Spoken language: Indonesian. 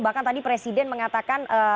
bahkan tadi presiden mengatakan